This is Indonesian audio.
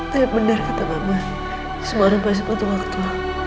tapi benar kata mama semua itu masih butuh waktu